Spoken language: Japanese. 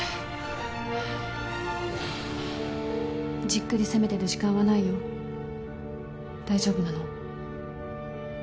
じっくり攻めてる時間はないよ大丈夫なの？